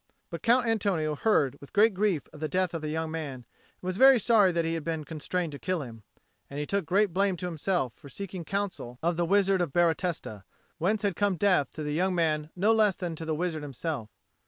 But Count Antonio heard with great grief of the death of the young man, and was very sorry that he had been constrained to kill him, and took great blame to himself for seeking counsel of the Wizard of Baratesta, whence had come death to the young man no less than to the wizard himself.